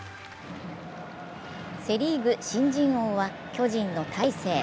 セ・リーグ新人王は巨人の大勢。